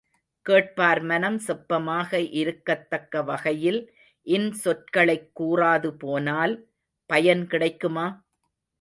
கேட்பார் மனம் செப்பமாக இருக்கத்தக்க வகையில் இன்சொற்களைக் கூறாது போனால் பயன் கிடைக்குமா?